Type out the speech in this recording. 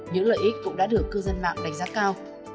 những lợi ích cũng đã được cư dân mạng đánh giá cao